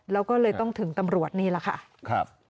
แล้วก็เลยต้องถึงตำรวจนี่แหละค่ะ